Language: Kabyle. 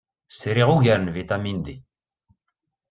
Sriɣ ugar n vitamin D.